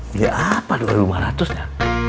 beli apa dua ribu lima ratus nya